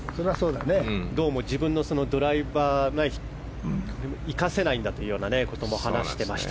どうも自分のドライバーが生かせないんだというようなことも話していました。